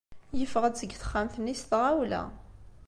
Yeffeɣ-d seg texxamt-nni s tɣawla.